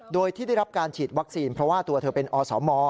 โดยที่ได้รับการฉีดวัคซีนเพราะว่าตัวเธอเป็นอสม